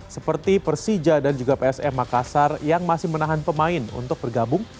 seperti persija dan juga psm makassar yang masih menahan pemain untuk bergabung